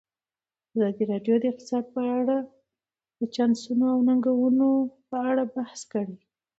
ازادي راډیو د اقتصاد په اړه د چانسونو او ننګونو په اړه بحث کړی.